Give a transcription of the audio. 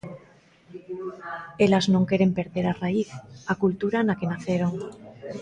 Elas non queren perder a raíz, a cultura na que naceron.